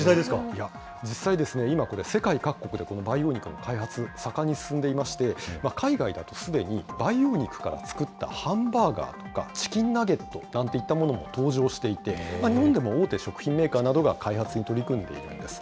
実際、今これ、世界各国で、この培養肉の開発、盛んに進んでいまして、海外ではすでに、培養肉から作ったハンバーガーやチキンナゲットなんていったものも登場していて、日本でも大手食品メーカーなどが開発に取り組んでいるんです。